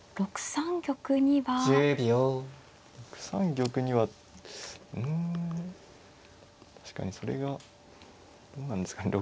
６三玉にはうん確かにそれがどうなんですかね